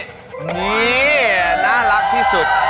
นี่น่ารักที่สุด